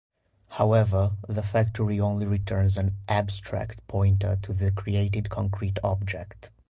However, the factory only returns an "abstract" pointer to the created concrete object.